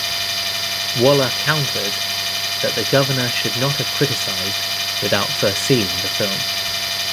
Waller countered that the Governor should not have criticized without first seeing the film.